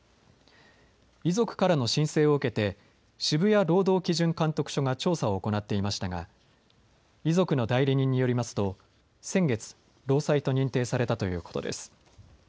遺族からの申請を受けて渋谷労働基準監督署が調査を行っていましたが遺族の代理人によりますと先月、労災と認定されたということです。